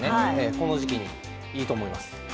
この時期にいいと思います。